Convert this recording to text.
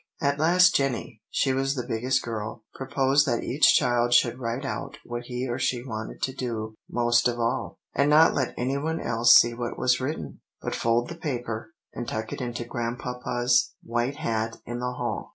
At last Jenny, she was the biggest girl, proposed that each child should write out what he or she wanted to do most of all, and not let any one else see what was written, but fold the paper, and tuck it into Grandpapa's white hat in the hall.